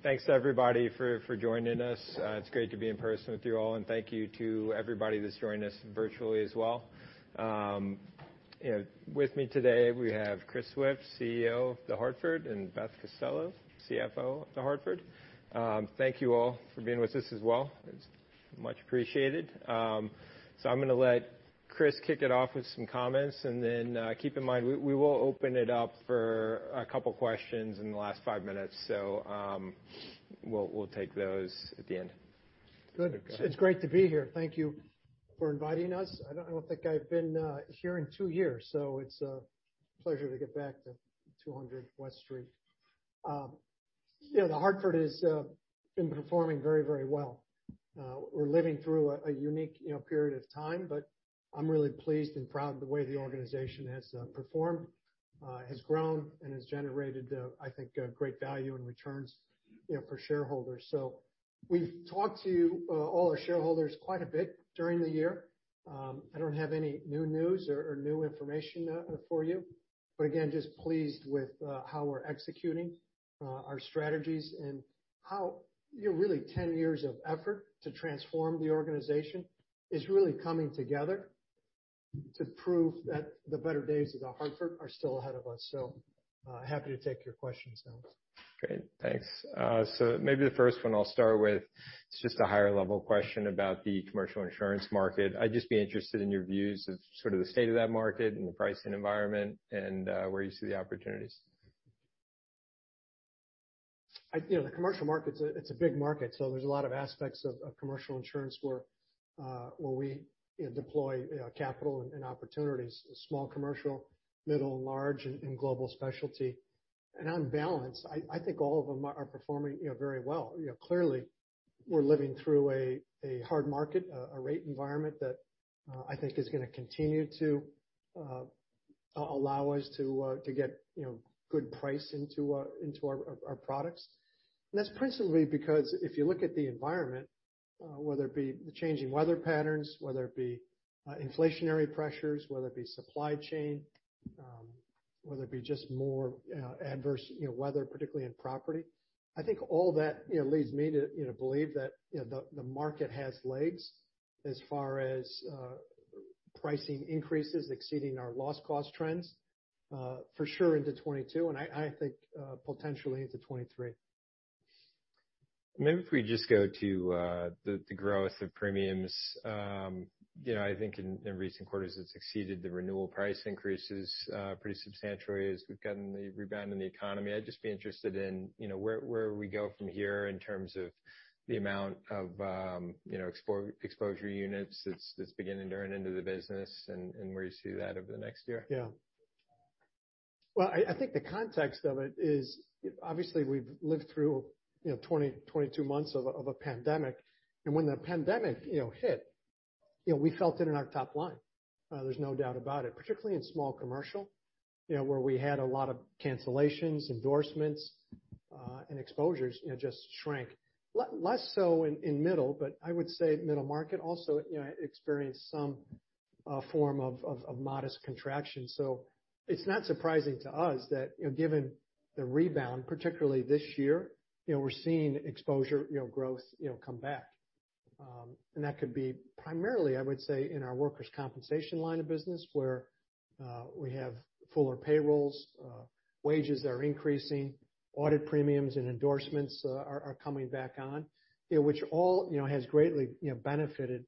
Thanks everybody for joining us. It's great to be in person with you all, and thank you to everybody that's joined us virtually as well. With me today, we have Chris Swift, CEO of The Hartford, and Beth Costello, CFO of The Hartford. Thank you all for being with us as well. It's much appreciated. I'm going to let Chris kick it off with some comments, and then keep in mind, we will open it up for a couple of questions in the last 5 minutes. We'll take those at the end. Good. It's great to be here. Thank you for inviting us. I don't think I've been here in 2 years, so it's a pleasure to get back to 200 West Street. The Hartford has been performing very well. We're living through a unique period of time, but I'm really pleased and proud of the way the organization has performed, has grown, and has generated, I think, great value and returns for shareholders. We've talked to all our shareholders quite a bit during the year. I don't have any new news or new information for you, but again, just pleased with how we're executing our strategies and how really 10 years of effort to transform the organization is really coming together to prove that the better days of The Hartford are still ahead of us. Happy to take your questions now. Great. Thanks. Maybe the first one I'll start with, it's just a higher level question about the commercial insurance market. I'd just be interested in your views of sort of the state of that market and the pricing environment and where you see the opportunities. The commercial market's a big market, so there's a lot of aspects of commercial insurance where we deploy capital and opportunities, small commercial, middle and large, and global specialty. On balance, I think all of them are performing very well. Clearly, we're living through a hard market, a rate environment that I think is going to continue to allow us to get good price into our products. That's principally because if you look at the environment, whether it be the changing weather patterns, whether it be inflationary pressures, whether it be supply chain, whether it be just more adverse weather, particularly in property. I think all that leads me to believe that the market has legs as far as pricing increases exceeding our loss cost trends, for sure into 2022, and I think potentially into 2023. Maybe if we just go to the growth of premiums. I think in recent quarters, it's exceeded the renewal price increases pretty substantially as we've gotten the rebound in the economy. I'd just be interested in where we go from here in terms of the amount of exposure units that's beginning to earn into the business and where you see that over the next year. Yeah. Well, I think the context of it is obviously we've lived through 22 months of a pandemic, and when the pandemic hit, we felt it in our top line. There's no doubt about it, particularly in small commercial, where we had a lot of cancellations, endorsements, and exposures just shrank. Less so in middle, I would say middle market also experienced some form of modest contraction. It's not surprising to us that, given the rebound, particularly this year, we're seeing exposure growth come back. That could be primarily, I would say, in our workers' compensation line of business, where we have fuller payrolls, wages that are increasing, audit premiums and endorsements are coming back on. Which all has greatly benefited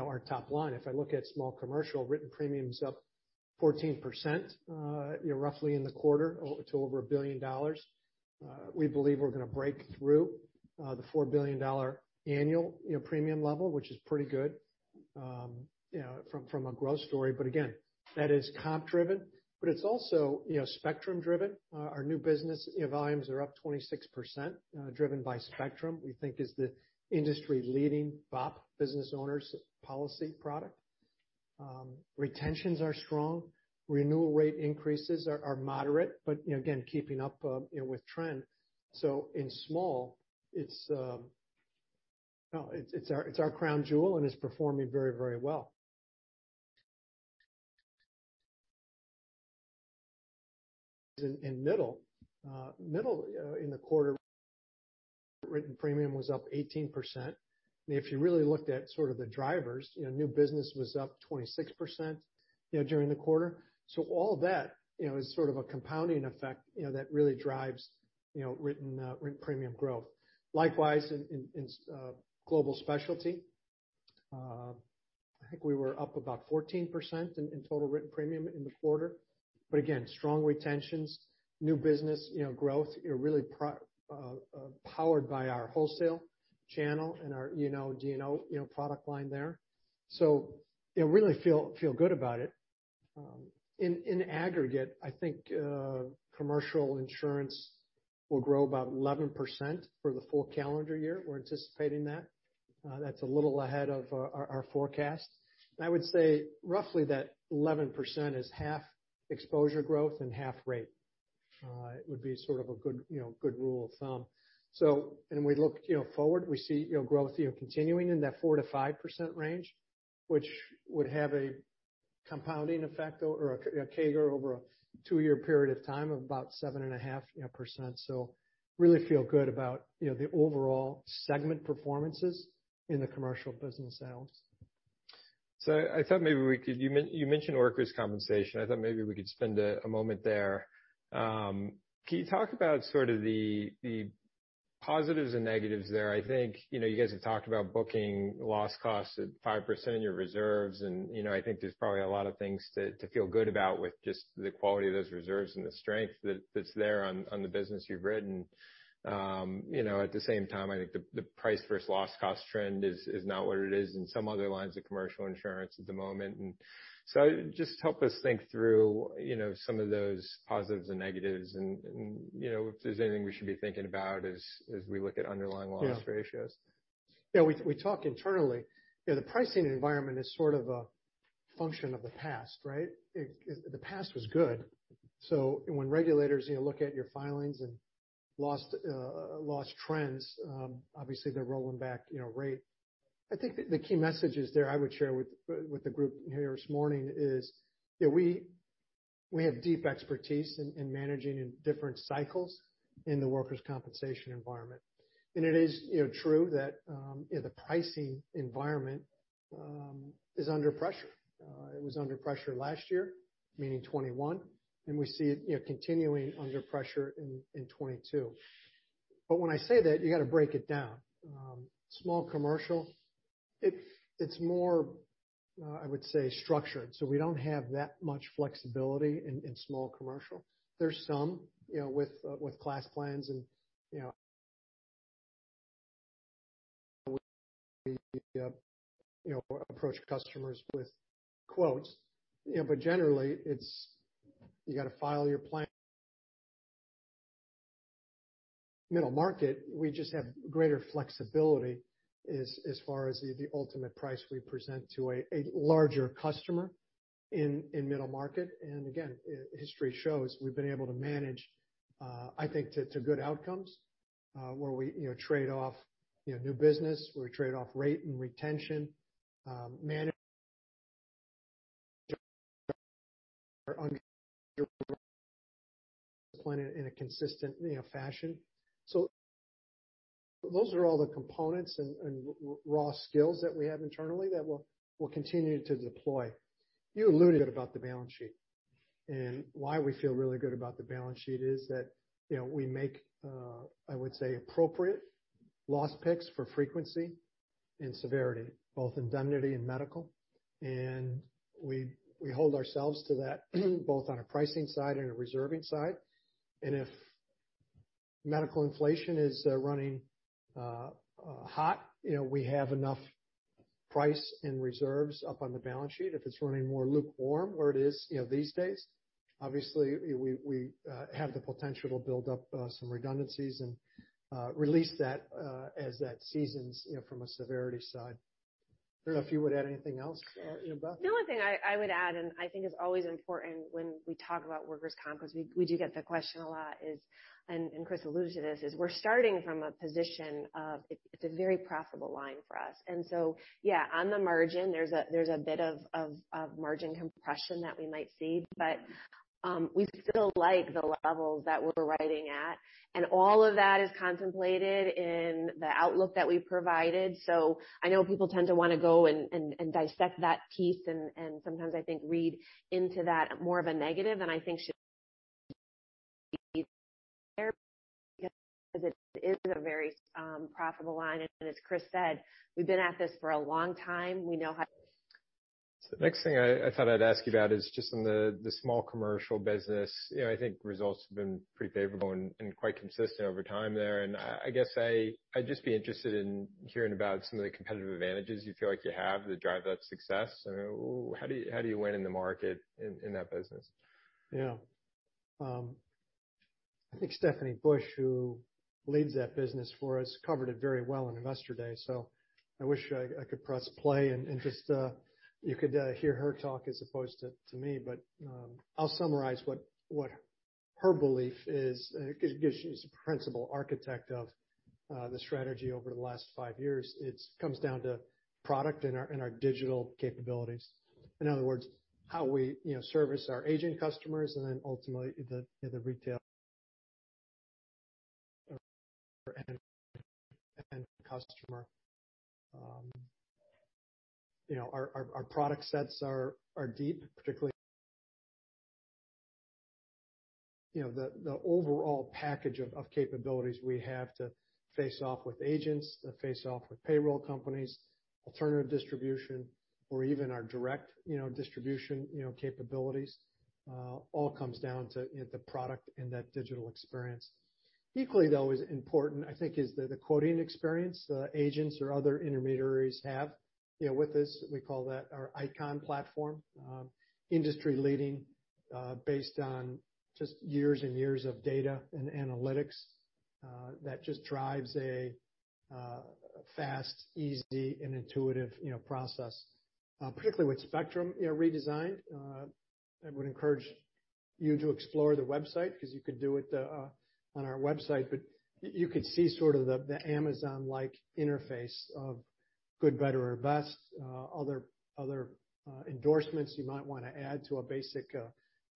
our top line. If I look at small commercial, written premium's up 14% roughly in the quarter to over $1 billion. We believe we're going to break through the $4 billion annual premium level, which is pretty good from a growth story. Again, that is comp driven, but it's also Spectrum driven. Our new business volumes are up 26%, driven by Spectrum, we think is the industry leading BOP, Business Owner's Policy product. Retentions are strong. Renewal rate increases are moderate but, again, keeping up with trend. In small, it's our crown jewel, and it's performing very well. In middle, in the quarter, written premium was up 18%. If you really looked at sort of the drivers, new business was up 26% during the quarter. All of that is sort of a compounding effect that really drives written premium growth. Likewise, in global specialty, I think we were up about 14% in total written premium in the quarter. Again, strong retentions, new business growth, really powered by our wholesale channel and our product line there. Really feel good about it. In aggregate, I think commercial insurance will grow about 11% for the full calendar year. We're anticipating that. That's a little ahead of our forecast. I would say roughly that 11% is half exposure growth and half rate. It would be sort of a good rule of thumb. When we look forward, we see growth continuing in that 4%-5% range, which would have a compounding effect or a CAGR over a two-year period of time of about 7.5%. Really feel good about the overall segment performances in the commercial business, Alex. I thought maybe we could You mentioned workers' compensation. I thought maybe we could spend a moment there. Can you talk about sort of the positives and negatives there? I think you guys have talked about booking loss costs at 5% of your reserves, and I think there's probably a lot of things to feel good about with just the quality of those reserves and the strength that's there on the business you've written. At the same time, I think the price versus loss cost trend is not what it is in some other lines of commercial insurance at the moment. Just help us think through some of those positives and negatives and if there's anything we should be thinking about as we look at underlying loss ratios. Yeah. We talk internally. The pricing environment is sort of a function of the past, right? The past was good. When regulators look at your filings and loss trends, obviously they're rolling back rate. I think the key messages there I would share with the group here this morning is we have deep expertise in managing in different cycles in the workers' compensation environment. It is true that the pricing environment is under pressure. It was under pressure last year, meaning 2021, and we see it continuing under pressure in 2022. When I say that, you got to break it down. Small commercial, it's more, I would say, structured. We don't have that much flexibility in small commercial. There's some with class plans and approach customers with quotes. Generally, you got to file your plan. Middle market, we just have greater flexibility as far as the ultimate price we present to a larger customer in middle market. Again, history shows we've been able to manage, I think, to good outcomes, where we trade off new business, where we trade off rate and retention, manage in a consistent fashion. Those are all the components and raw skills that we have internally that we'll continue to deploy. You alluded about the balance sheet, and why we feel really good about the balance sheet is that we make, I would say, appropriate loss picks for frequency and severity, both indemnity and medical. We hold ourselves to that both on a pricing side and a reserving side. If medical inflation is running hot, we have enough price and reserves up on the balance sheet. If it's running more lukewarm or it is these days, obviously, we have the potential to build up some redundancies and release that as that seasons from a severity side. I don't know if you would add anything else, Beth. I think it's always important when we talk about workers' comp, because we do get the question a lot is, Chris alluded to this, we're starting from a position of it's a very profitable line for us. Yeah, on the margin, there's a bit of margin compression that we might see, but we still like the levels that we're writing at. All of that is contemplated in the outlook that we provided. I know people tend to want to go and dissect that piece and sometimes I think read into that more of a negative than I think should be there because it is a very profitable line. As Chris said, we've been at this for a long time. The next thing I thought I'd ask you about is just on the small commercial business. I think results have been pretty favorable and quite consistent over time there. I guess I'd just be interested in hearing about some of the competitive advantages you feel like you have that drive that success. How do you win in the market in that business? Yeah. I think Stephanie Bush, who leads that business for us, covered it very well on Investor Day. I wish I could press play and you could hear her talk as opposed to me. I'll summarize what her belief is because she's the principal architect of the strategy over the last five years. It comes down to product and our digital capabilities. In other words, how we service our agent customers and then ultimately the retail end customer. Our product sets are deep, particularly. The overall package of capabilities we have to face off with agents, to face off with payroll companies, alternative distribution, or even our direct distribution capabilities all comes down to the product and that digital experience. Equally, though, is important, I think, is the quoting experience agents or other intermediaries have with this. We call that our ICON platform, industry-leading based on just years and years of data and analytics that just drives a fast, easy, and intuitive process. Particularly with Spectrum redesigned, I would encourage you to explore the website because you could do it on our website, but you could see sort of the Amazon-like interface of good, better, or best, other endorsements you might want to add to a basic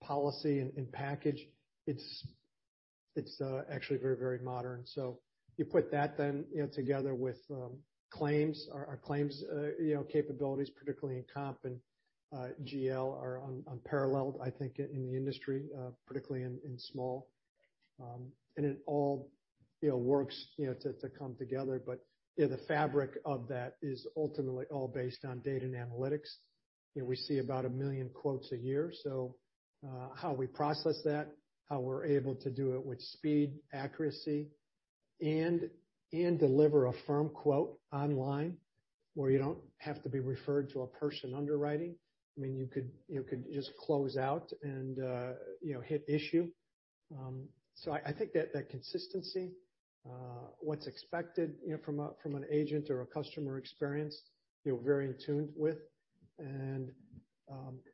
policy and package. It's actually very modern. You put that then together with claims. Our claims capabilities, particularly in comp and GL, are unparalleled, I think, in the industry, particularly in small. It all works to come together. The fabric of that is ultimately all based on data and analytics. We see about 1 million quotes a year. How we process that, how we're able to do it with speed, accuracy, and deliver a firm quote online where you don't have to be referred to a person underwriting. You could just close out and hit issue. I think that consistency, what's expected from an agent or a customer experience, we're very attuned with.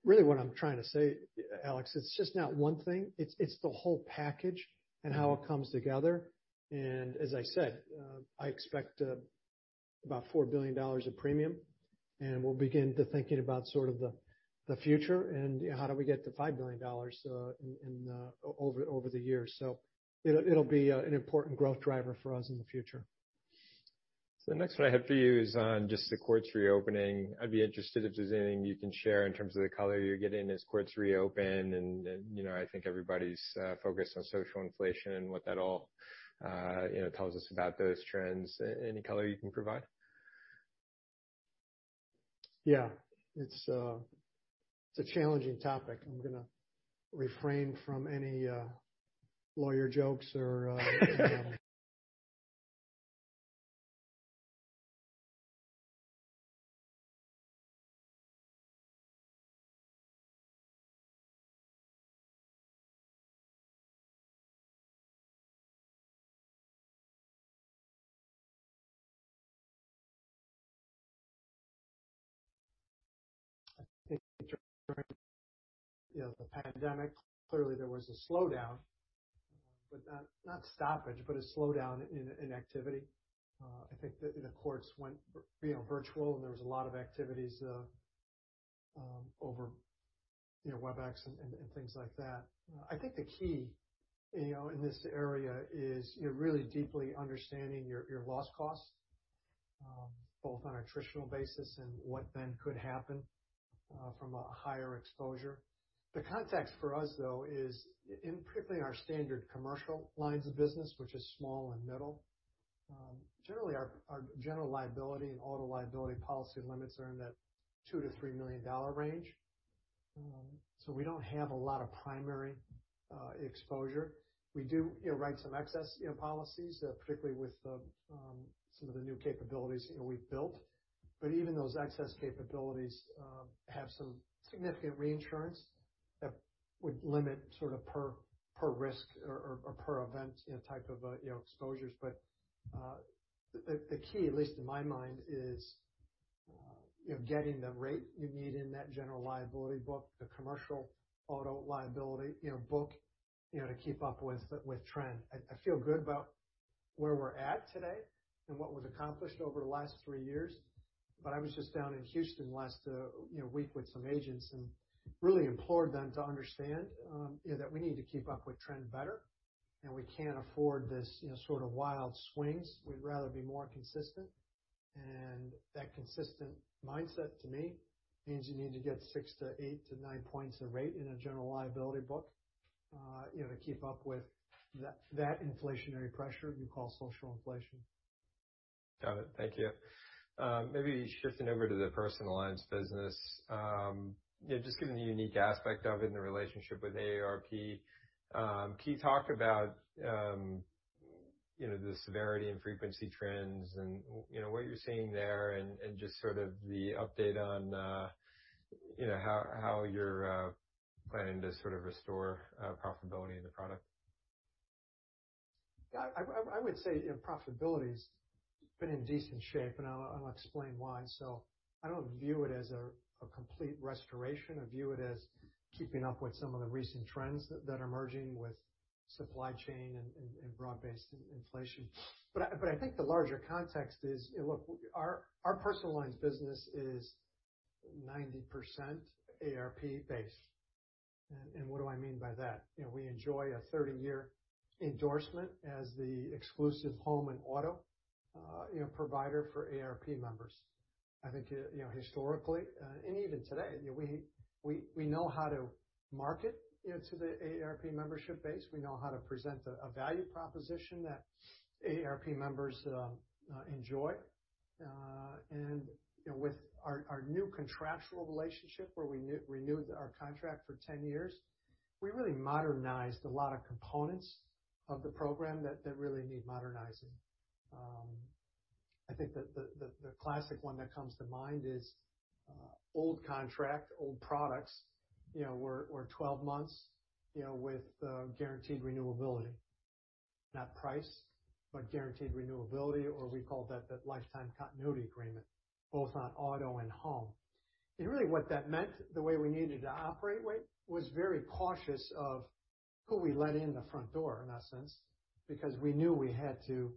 Really what I'm trying to say, Alex, it's just not one thing, it's the whole package and how it comes together. As I said, I expect about $4 billion of premium, and we'll begin to thinking about sort of the future and how do we get to $5 billion over the years. It'll be an important growth driver for us in the future. The next one I have for you is on just the courts reopening. I'd be interested if there's anything you can share in terms of the color you're getting as courts reopen, and I think everybody's focused on social inflation and what that all tells us about those trends. Any color you can provide? It's a challenging topic. I'm going to refrain from any lawyer jokes. I think during the pandemic, clearly there was a slowdown, but not stoppage, but a slowdown in activity. I think the courts went virtual, and there was a lot of activities over Webex and things like that. I think the key in this area is you're really deeply understanding your loss costs, both on a traditional basis and what then could happen from a higher exposure. The context for us, though, is in particularly our standard commercial lines of business, which is small and middle. Generally, our general liability and auto liability policy limits are in that $2 million to $3 million range. We don't have a lot of primary exposure. We do write some excess policies, particularly with some of the new capabilities we've built. Even those excess capabilities have some significant reinsurance that would limit sort of per risk or per event type of exposures. The key, at least in my mind, is getting the rate you need in that general liability book, the commercial auto liability book, to keep up with trend. I feel good about where we're at today and what was accomplished over the last three years. I was just down in Houston last week with some agents and really implored them to understand that we need to keep up with trend better, and we can't afford this sort of wild swings. We'd rather be more consistent. That consistent mindset, to me, means you need to get six to eight to nine points a rate in a general liability book to keep up with that inflationary pressure you call social inflation. Got it. Thank you. Maybe shifting over to the personal lines business. Just given the unique aspect of it and the relationship with AARP, can you talk about the severity and frequency trends and what you're seeing there and just sort of the update on how you're planning to sort of restore profitability in the product? I would say profitability's been in decent shape, and I'll explain why. I don't view it as a complete restoration. I view it as keeping up with some of the recent trends that are merging with supply chain and broad-based inflation. I think the larger context is, look, our personal lines business is 90% AARP-based. What do I mean by that? We enjoy a 30-year endorsement as the exclusive home and auto provider for AARP members. I think historically, and even today, we know how to market to the AARP membership base. We know how to present a value proposition that AARP members enjoy. With our new contractual relationship where we renewed our contract for 10 years, we really modernized a lot of components of the program that really need modernizing. I think that the classic one that comes to mind is old contract, old products were 12 months with guaranteed renewability. Not price, but guaranteed renewability, or we call that the lifetime continuity agreement, both on auto and home. Really what that meant, the way we needed to operate, was very cautious of who we let in the front door, in that sense, because we knew we had to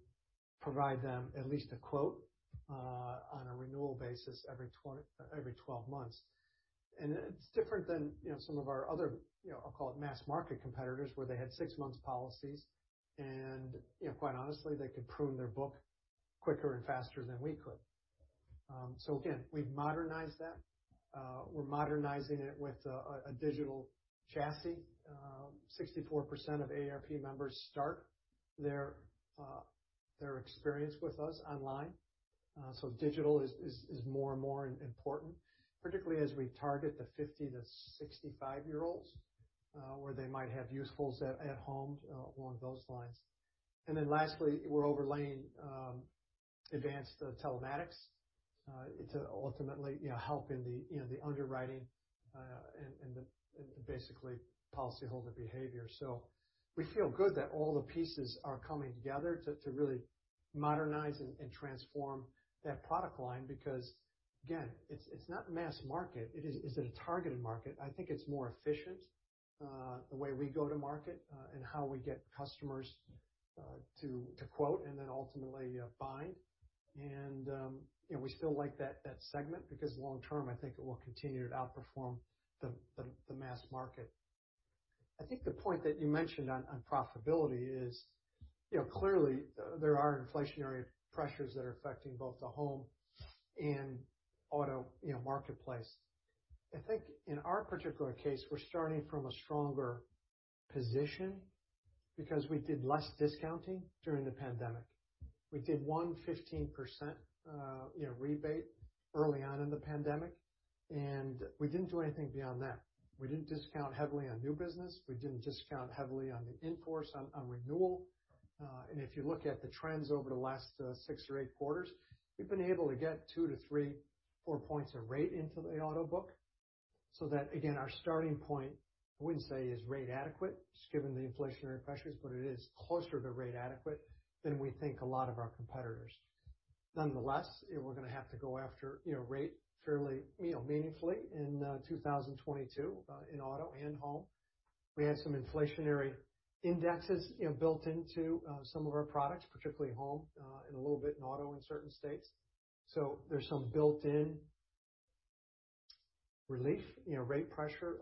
provide them at least a quote on a renewal basis every 12 months. It's different than some of our other, I'll call it mass market competitors, where they had six months policies and quite honestly, they could prune their book quicker and faster than we could. Again, we've modernized that. We're modernizing it with a digital chassis. 64% of AARP members start their experience with us online. Digital is more and more important, particularly as we target the 50 to 65-year-olds, where they might have usefuls at home along those lines. Lastly, we're overlaying advanced telematics to ultimately help in the underwriting and basically policy holder behavior. We feel good that all the pieces are coming together to really modernize and transform that product line because, again, it's not mass market. It is a targeted market. I think it's more efficient the way we go to market and how we get customers to quote and then ultimately bind. We still like that segment because long-term, I think it will continue to outperform the mass market. I think the point that you mentioned on profitability is clearly there are inflationary pressures that are affecting both the home and auto marketplace. I think in our particular case, we're starting from a stronger position because we did less discounting during the pandemic. We did one 15% rebate early on in the pandemic, and we didn't do anything beyond that. We didn't discount heavily on new business. We didn't discount heavily on the in-force on renewal. If you look at the trends over the last six or eight quarters, we've been able to get two to three, four points of rate into the auto book, so that, again, our starting point, I wouldn't say is rate adequate, just given the inflationary pressures, but it is closer to rate adequate than we think a lot of our competitors. Nonetheless, we're going to have to go after rate fairly meaningfully in 2022 in auto and home. We had some inflationary indexes built into some of our products, particularly home, and a little bit in auto in certain states. There's some built-in relief, rate pressure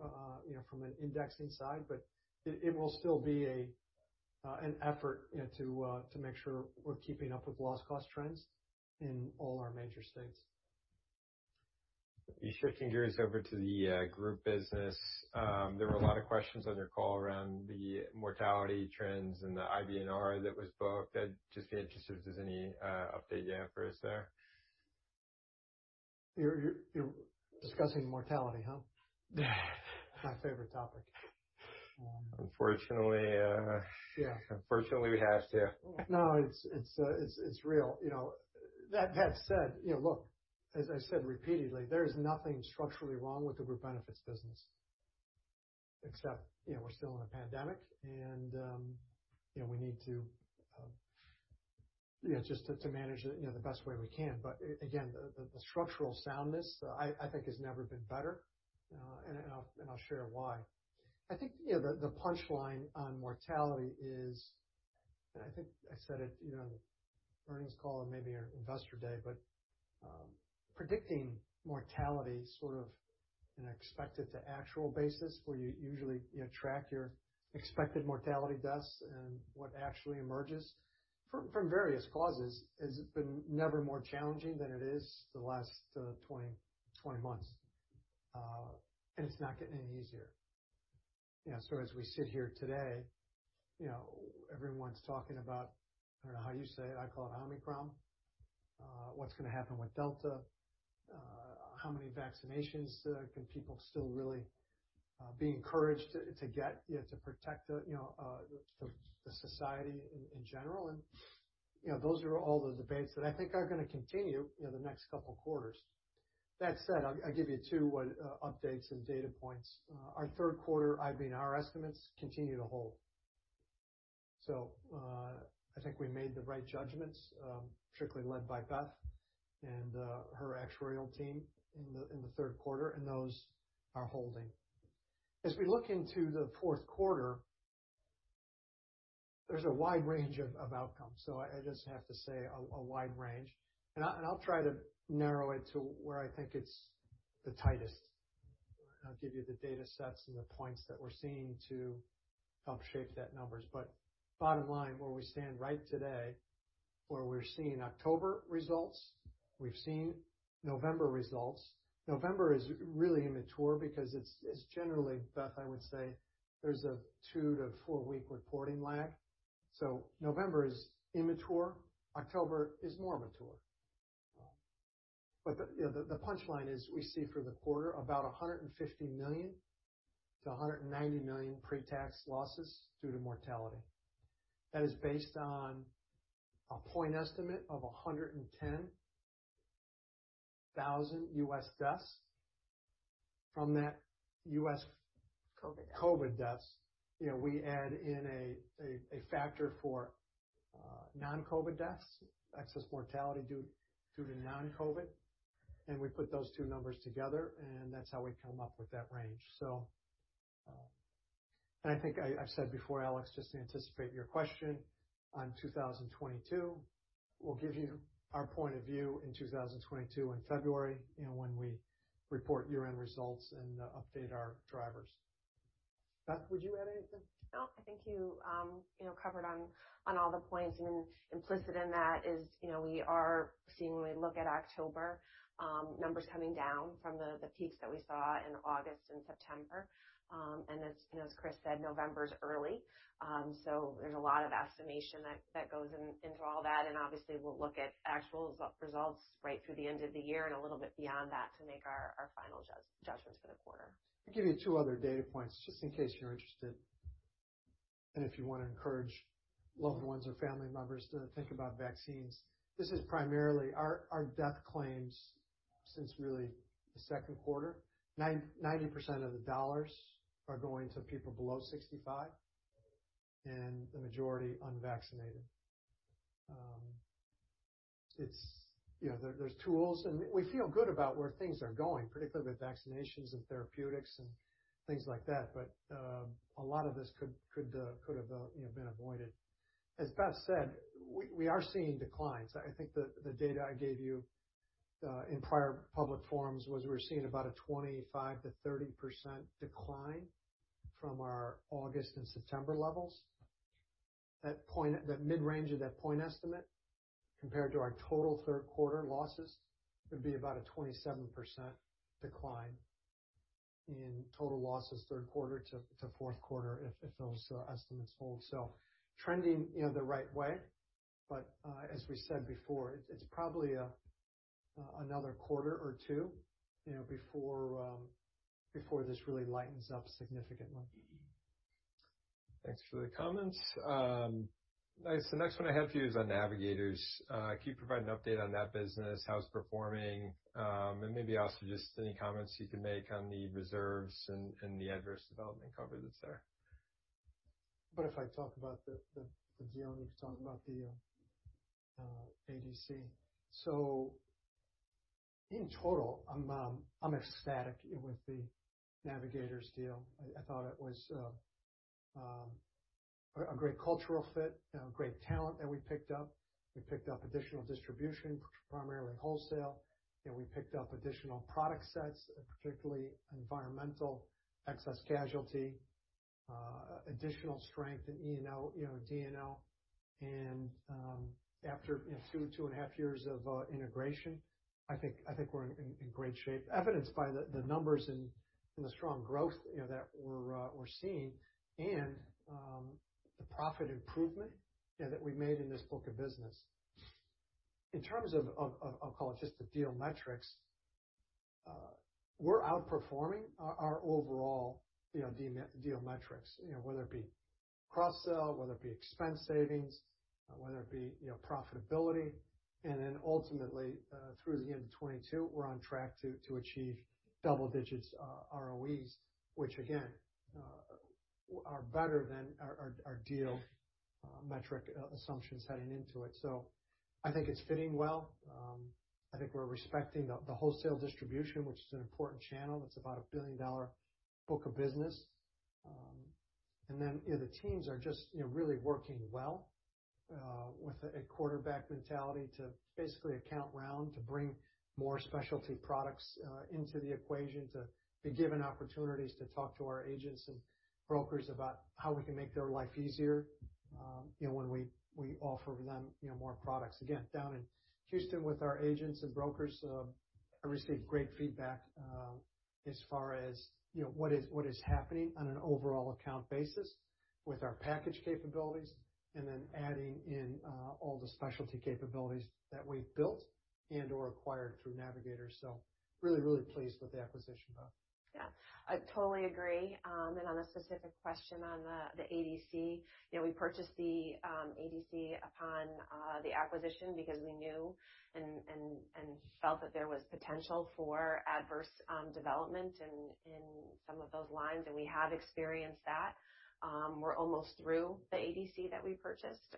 from an indexing side, but it will still be an effort to make sure we're keeping up with loss cost trends in all our major states. Shifting gears over to the group business. There were a lot of questions on your call around the mortality trends and the IBNR that was booked. I'd just be interested if there's any update you have for us there. You're discussing mortality, huh? Yeah. My favorite topic. Unfortunately- Yeah. Unfortunately, we have to. No, it's real. That said, look, as I said repeatedly, there's nothing structurally wrong with the group benefits business. Except, we're still in a pandemic, and we need to just to manage it the best way we can. Again, the structural soundness, I think has never been better, and I'll share why. I think the punchline on mortality is, and I think I said it in the earnings call or maybe our investor day, but predicting mortality sort of in expected to actual basis where you usually track your expected mortality deaths and what actually emerges from various causes, has been never more challenging than it is the last 20 months. It's not getting any easier. As we sit here today, everyone's talking about, I don't know how you say it, I call it Omicron. What's going to happen with Delta? How many vaccinations can people still really be encouraged to get to protect the society in general? Those are all the debates that I think are going to continue the next couple of quarters. That said, I'll give you two updates and data points. Our third quarter IBNR estimates continue to hold. I think we made the right judgments, strictly led by Beth and her actuarial team in the third quarter, and those are holding. As we look into the fourth quarter, there's a wide range of outcomes. I just have to say a wide range. I'll try to narrow it to where I think it's the tightest, and I'll give you the data sets and the points that we're seeing to help shape that numbers. Bottom line, where we stand out today, where we're seeing October results, we've seen November results. November is really immature because it's generally, Beth, I would say there's a two to four-week reporting lag. November is immature. October is more mature. The punchline is we see for the quarter about $150 million-$190 million pre-tax losses due to mortality. That is based on a point estimate of 110,000 U.S. deaths from that U.S.- COVID deaths COVID deaths. We add in a factor for non-COVID deaths, excess mortality due to non-COVID, we put those two numbers together, that's how we come up with that range. I think I've said before, Alex, just to anticipate your question on 2022, we'll give you our point of view in 2022 in February, when we report year-end results and update our drivers. Beth, would you add anything? No, I think you covered on all the points. Implicit in that is we are seeing, when we look at October, numbers coming down from the peaks that we saw in August and September. As Chris said, November's early, there's a lot of estimation that goes into all that, obviously, we'll look at actual results right through the end of the year and a little bit beyond that to make our final judgments for the quarter. I'll give you two other data points, just in case you're interested, and if you want to encourage loved ones or family members to think about vaccines. This is primarily our death claims since really the second quarter. 90% of the dollars are going to people below 65, and the majority unvaccinated. There's tools, and we feel good about where things are going, particularly with vaccinations and therapeutics and things like that. A lot of this could've been avoided. As Beth said, we are seeing declines. I think the data I gave you in prior public forums was we're seeing about a 25%-30% decline from our August and September levels. That mid-range of that point estimate compared to our total third quarter losses would be about a 27% decline in total losses third quarter to fourth quarter, if those estimates hold. Trending the right way, but as we said before, it's probably another quarter or two before this really lightens up significantly. Thanks for the comments. Nice. The next one I have for you is on Navigators. Can you provide an update on that business, how it's performing, and maybe also just any comments you can make on the reserves and the adverse development cover that's there? What if I talk about the deal, and you can talk about the ADC? In total, I'm ecstatic with the Navigators deal. I thought it was a great cultural fit and a great talent that we picked up. We picked up additional distribution, primarily wholesale, and we picked up additional product sets, particularly environmental, excess casualty, additional strength in E&O, D&O. After two and a half years of integration, I think we're in great shape, evidenced by the numbers and the strong growth that we're seeing and the profit improvement that we've made in this book of business. In terms of, I'll call it just the deal metrics, we're outperforming our overall deal metrics, whether it be cross-sell, whether it be expense savings, whether it be profitability, then ultimately, through the end of 2022, we're on track to achieve double-digit ROEs, which again, are better than our deal metric assumptions heading into it. I think it's fitting well. I think we're respecting the wholesale distribution, which is an important channel. That's about a billion-dollar book of business. The teams are just really working well with a quarterback mentality to basically account round to bring more specialty products into the equation, to be given opportunities to talk to our agents and brokers about how we can make their life easier when we offer them more products. Again, down in Houston with our agents and brokers, I received great feedback as far as what is happening on an overall account basis with our package capabilities and then adding in all the specialty capabilities that we've built and/or acquired through Navigators. Really, really pleased with the acquisition, Beth. Yeah. I totally agree. On a specific question on the ADC. We purchased the ADC upon the acquisition because we knew and felt that there was potential for adverse development in some of those lines, and we have experienced that. We're almost through the ADC that we purchased.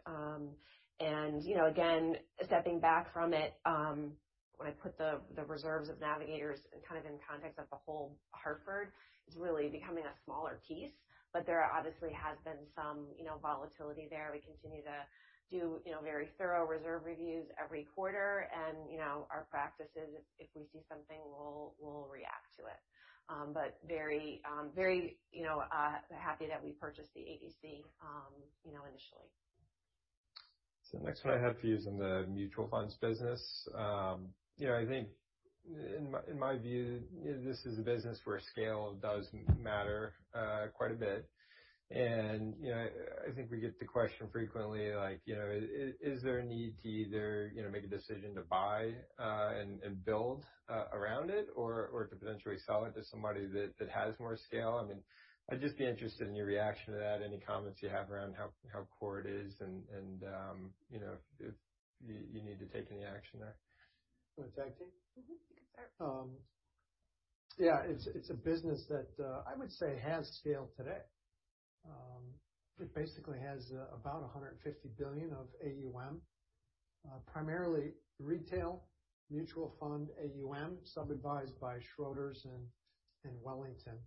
Again, stepping back from it, when I put the reserves of Navigators kind of in context of the whole Hartford, it's really becoming a smaller piece, but there obviously has been some volatility there. We continue to do very thorough reserve reviews every quarter, and our practice is if we see something, we'll react to it. Very happy that we purchased the ADC initially. The next one I have for you is on the mutual funds business. I think in my view, this is a business where scale does matter quite a bit. I think we get the question frequently, like, is there a need to either make a decision to buy and build around it or to potentially sell it to somebody that has more scale? I'd just be interested in your reaction to that, any comments you have around how core it is and if you need to take any action there. You want to tag team? You can start. Yeah, it's a business that I would say has scale today. It basically has about $150 billion of AUM, primarily retail mutual fund AUM, sub-advised by Schroders and Wellington.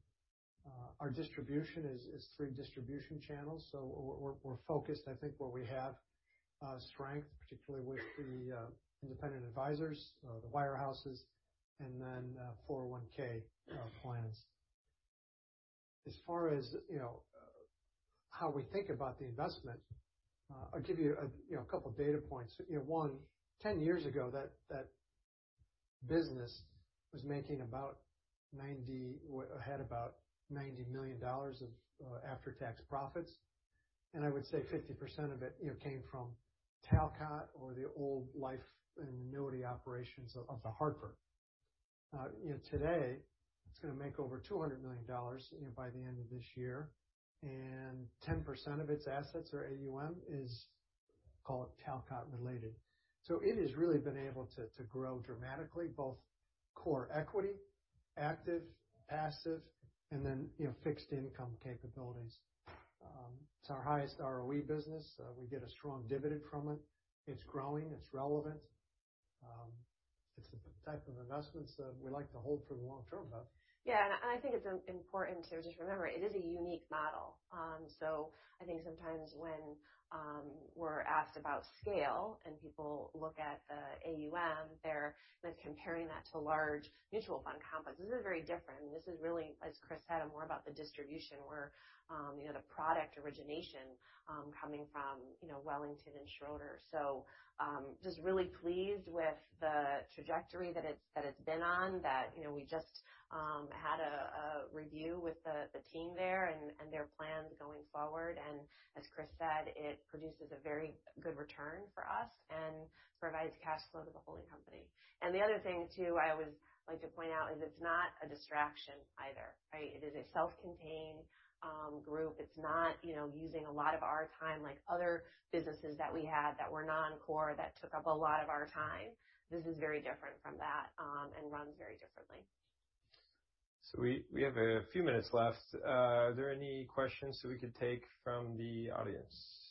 Our distribution is three distribution channels. We're focused, I think where we have strength, particularly with the independent advisors, the wirehouses, and then 401 plans. As far as how we think about the investment, I'll give you a couple data points. One, 10 years ago, that business had about $90 million of after-tax profits, and I would say 50% of it came from Talcott or the old life and annuity operations of The Hartford. Today, it's going to make over $200 million by the end of this year, and 10% of its assets or AUM is call it Talcott related. It has really been able to grow dramatically, both core equity, active, passive, and then fixed income capabilities. It's our highest ROE business. We get a strong dividend from it. It's growing, it's relevant. It's the type of investments that we like to hold for the long term, though. I think it's important to just remember, it is a unique model. I think sometimes when we're asked about scale and people look at the AUM, they're then comparing that to large mutual fund companies. This is very different, and this is really, as Chris said, more about the distribution where the product origination coming from Wellington and Schroders. Just really pleased with the trajectory that it's been on that we just had a review with the team there and their plans going forward. As Chris said, it produces a very good return for us and provides cash flow to the holding company. The other thing too, I always like to point out is it's not a distraction either, right? It is a self-contained group. It's not using a lot of our time like other businesses that we had that were non-core that took up a lot of our time. This is very different from that, and runs very differently. We have a few minutes left. Are there any questions that we could take from the audience?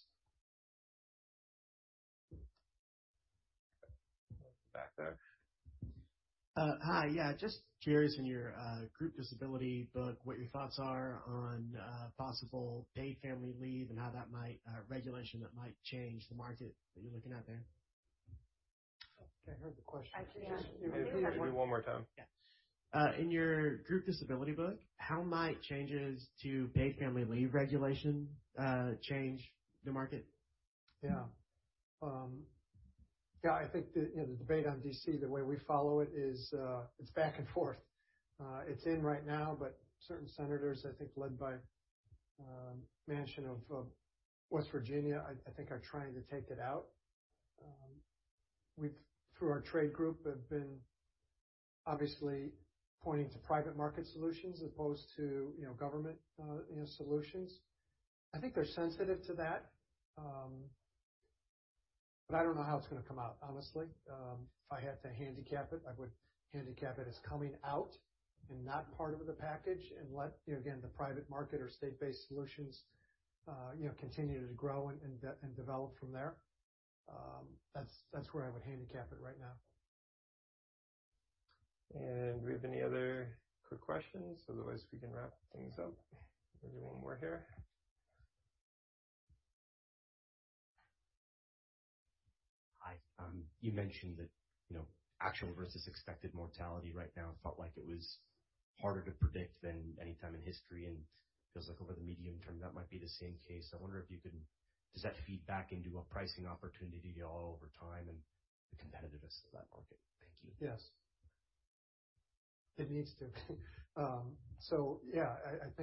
Back there. Hi. Just curious in your group disability book, what your thoughts are on possible Paid Family Leave and how that regulation might change the market that you're looking at there. I heard the question. Actually, yeah. Maybe one more time. Yeah. In your group disability book, how might changes to Paid Family Leave regulation change the market? Yeah. I think the debate on D.C., the way we follow it is it's back and forth. It's in right now. Certain senators, I think led by Manchin of West Virginia, I think, are trying to take it out. Through our trade group have been obviously pointing to private market solutions as opposed to government solutions. I think they're sensitive to that. I don't know how it's going to come out, honestly. If I had to handicap it, I would handicap it as coming out and not part of the package and let the private market or state-based solutions continue to grow and develop from there. That's where I would handicap it right now. Do we have any other quick questions? Otherwise, we can wrap things up. There's one more here. Hi. You mentioned that actual versus expected mortality right now felt like it was harder to predict than any time in history. Feels like over the medium term, that might be the same case. Does that feed back into a pricing opportunity to you all over time and the competitiveness of that market? Thank you. Yes. It needs to. Yeah, I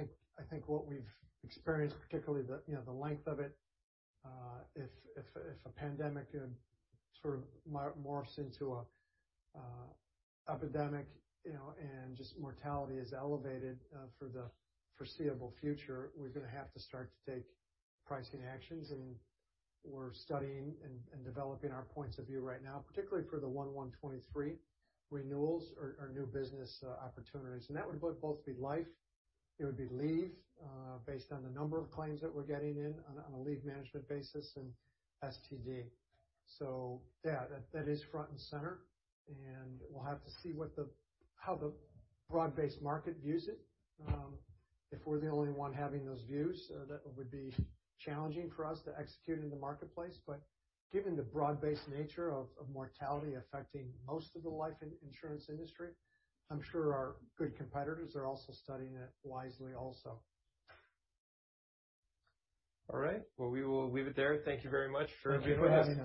think what we've experienced, particularly the length of it, if a pandemic sort of morphs into an epidemic and just mortality is elevated for the foreseeable future, we're going to have to start to take pricing actions. We're studying and developing our points of view right now, particularly for the 1/1/2023 renewals or new business opportunities. That would both be life, it would be leave, based on the number of claims that we're getting in on a leave management basis and STD. Yeah, that is front and center. We'll have to see how the broad-based market views it. If we're the only one having those views, that would be challenging for us to execute in the marketplace. given the broad-based nature of mortality affecting most of the life insurance industry, I'm sure our good competitors are also studying it wisely also. All right. Well, we will leave it there. Thank you very much for joining us.